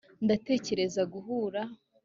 ndatekereza guhura